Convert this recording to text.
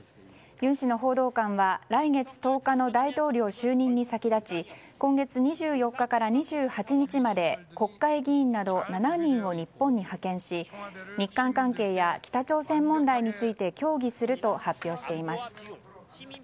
尹氏の報道官は来月１０日の大統領就任に先立ち今月２４日から２８日まで国会議員など７人を日本に派遣し日韓関係や北朝鮮問題について協議すると発表しています。